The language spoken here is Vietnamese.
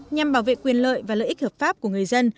nhằm bảo vệ quyền lợi và lợi ích hợp pháp của người dân